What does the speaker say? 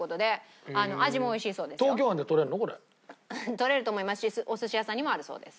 とれると思いますしお寿司屋さんにもあるそうです。